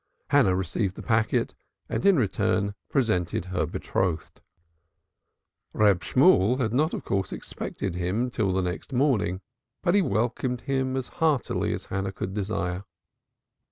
Hannah received the packet and in return presented her betrothed. Reb Shemuel had not of course expected him till the next morning, but he welcomed him as heartily as Hannah could desire.